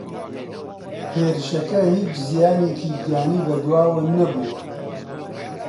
هێرشەکە هیچ زیانێکی گیانی بەدواوە نەبووە